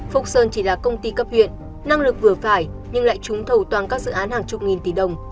phúc sơn chỉ là công ty cấp huyện năng lực vừa phải nhưng lại trúng thầu toàn các dự án hàng chục nghìn tỷ đồng